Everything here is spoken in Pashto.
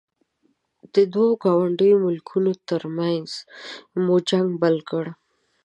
د دوو ګاونډیو ملکونو ترمنځ مو جنګ بل کړ.